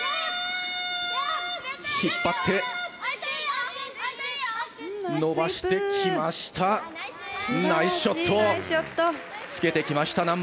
引っ張って伸ばしてきました。